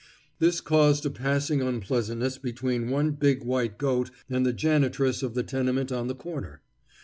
This caused a passing unpleasantness between one big white goat and the janitress of the tenement on the corner.